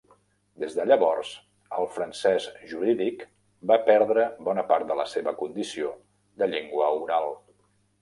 Des de llavors, el francès jurídic va perdre bona part de la seva condició de llengua oral.